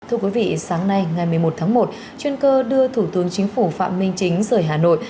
thưa quý vị sáng nay ngày một mươi một tháng một chuyên cơ đưa thủ tướng chính phủ phạm minh chính rời hà nội